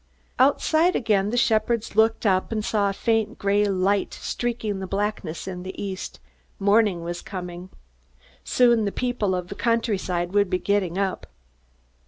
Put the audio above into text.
Outside again, the shepherds looked up and saw a faint gray light streaking the blackness in the east. Morning was coming. Soon the people of the countryside would be getting up.